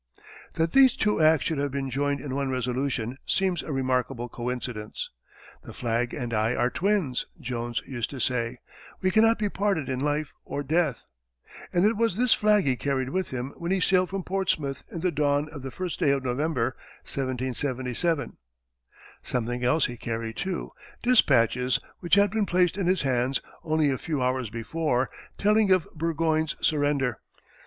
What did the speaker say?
That these two acts should have been joined in one resolution seems a remarkable coincidence. "The flag and I are twins," Jones used to say; "we cannot be parted in life or death"; and it was this flag he carried with him when he sailed from Portsmouth in the dawn of the first day of November, 1777. Something else he carried, too dispatches which had been placed in his hands only a few hours before, telling of Burgoyne's surrender.